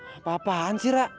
apa apaan sih ra